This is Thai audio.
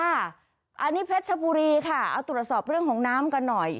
อันนี้เพชรชบุรีค่ะเอาตรวจสอบเรื่องของน้ำกันหน่อย